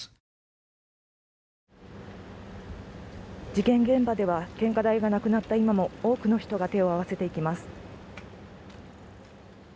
事件現場では献花台がなくなった今も多くの人が手を合わせていきます。